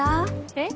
えっ？